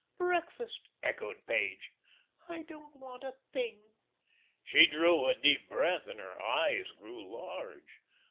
"Breakfast!" echoed Page. "I don't want a thing." She drew a deep breath and her eyes grew large.